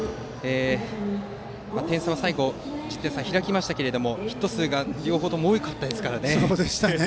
点差は最後、１０点差と開きましたがヒット数が両方とも多かったですからね。